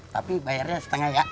tapi bayarnya setengah kak